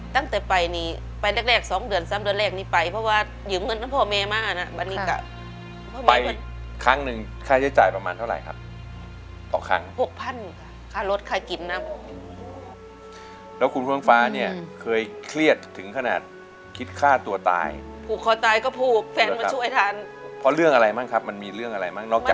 ตั้งแต่ไปนี่ไปเร็ก๒๓เดือนเร็กนี้ไปเพราะว่าอยู่เงินพอเมมาท์อ่ะ